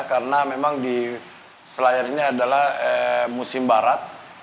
karena memang di selayar ini adalah musim barat